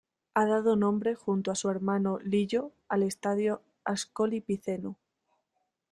Ha dado nombre, junto a su hermano Lillo, al estadio de Ascoli Piceno.